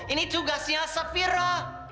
ini tugasnya safira